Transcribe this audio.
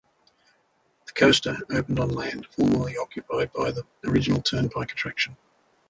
The coaster opened on land formerly occupied by the original "Turnpike" attraction.